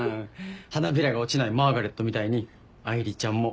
花びらが落ちないマーガレットみたいに愛梨ちゃんも落ちない。